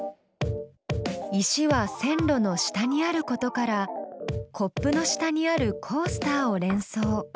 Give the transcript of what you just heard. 石は線路の下にあることからコップの下にあるコースターを連想。